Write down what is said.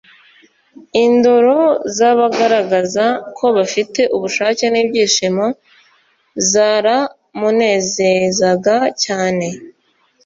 indoro z’abagaragazaga ko bafite ubushake n’ibyishimo zaramunezezaga cyane